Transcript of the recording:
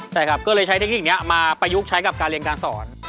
ใช่ครับก็เลยใช้เทคนิคนี้มาประยุกต์ใช้กับการเรียนการสอน